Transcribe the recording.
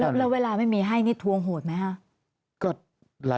แล้วเวลาไม่มีให้นี่ทวงโหดไหมคะ